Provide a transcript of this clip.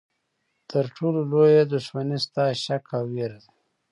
تر ټولو لویه دښمني ستا شک او ویره ده.